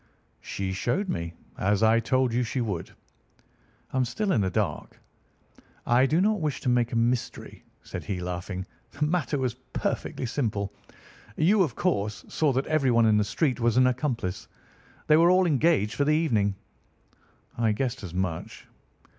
"She showed me, as I told you she would." "I am still in the dark." "I do not wish to make a mystery," said he, laughing. "The matter was perfectly simple. You, of course, saw that everyone in the street was an accomplice. They were all engaged for the evening." "I guessed as much."